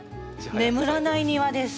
眠らないニワです。